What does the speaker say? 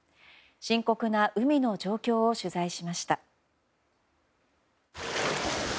深刻な海の状況を取材しました。